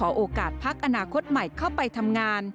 โอกาสพักอนาคตใหม่เข้าไปทำงาน